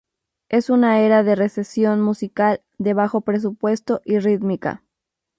Es una era de recesión musical: de bajo presupuesto y rítmica.